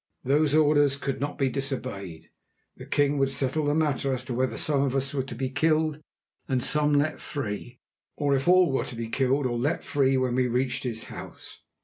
Those orders could not be disobeyed. The king would settle the matter as to whether some of us were to be killed and some let free, or if all were to be killed or let free, when we reached his House.